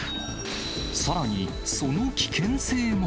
さらに、その危険性も。